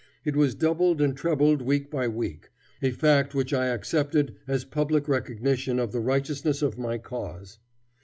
It was doubled and trebled week by week a fact which I accepted as public recognition of the righteousness of my cause.